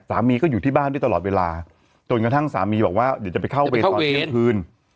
สามีก็อยู่ที่บ้านด้วยตลอดเวลาจนกระทั่งสามีบอกว่าเดี๋ยวจะไปเข้าเวรตอนเที่ยงคืน